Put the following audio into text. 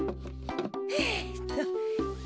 えっと。